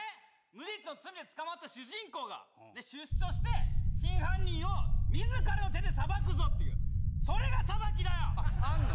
無実の罪で捕まった主人公が出所して真犯人を自らの手で裁くぞっていうそれが「ＳＡＢＡＫＩ」だよあんの？